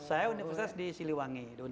saya universitas di siliwangi